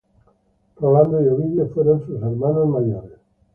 Rolando y Ovidio, fueron sus hermanos mayores.